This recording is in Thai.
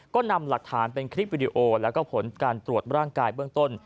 ก็นำหลักฐานเป็นคลิปวิดีโอแล้วก็ผลการตรวจร่างกายเบื้องต้น